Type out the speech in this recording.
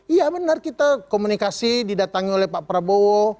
iya benar kita komunikasi didatangi oleh pak prabowo